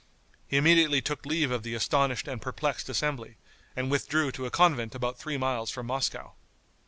He immediately took leave of the astonished and perplexed assembly, and withdrew to a convent about three miles from Moscow.